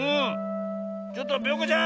ちょっとぴょんこちゃん。